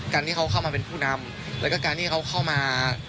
การที่เขาเข้ามาเป็นผู้นำแล้วก็การที่เขาเข้ามา